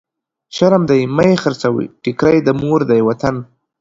شرم دی مه يې خرڅوی، ټکری د مور دی وطن.